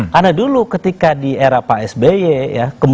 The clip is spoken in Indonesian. karena dulu ketika di era pak sby ya